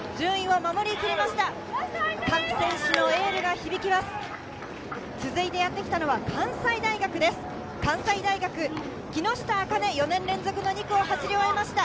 順位は守り切りました。